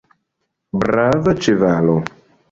Brava ĉevalo!